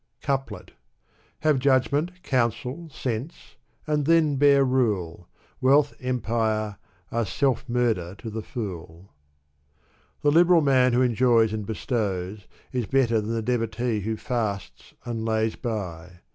CoupUt Have judgment, counsel, sense, and then bear rule ; Wealth, empire, are self murder to the fool. The liberal man, who enjoys and bestows, is better than the devotee, who fasts and lays by.